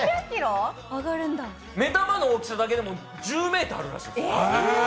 目玉の大きさだけでも１０ｍあるらしいですよ。